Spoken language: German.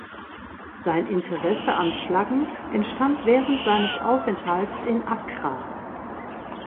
Sein Interesse an Flaggen entstand während seines Aufenthalts in Accra.